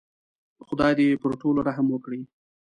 خدای دې پر ټولو رحم وکړي.